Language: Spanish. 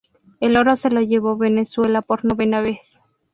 El oro se lo llevó Venezuela por novena vez.